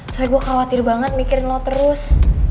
terus gue khawatir banget mikirin lo terus